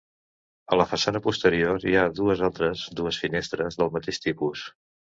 A la façana posterior hi ha dues altres dues finestres del mateix tipus.